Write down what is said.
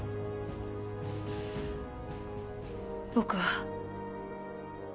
僕は。